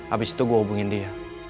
abis itu gue hubungin dia